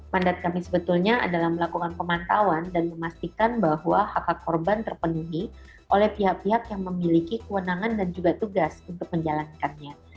mandat kami sebetulnya adalah melakukan pemantauan dan memastikan bahwa hak hak korban terpenuhi oleh pihak pihak yang memiliki kewenangan dan juga tugas untuk menjalankannya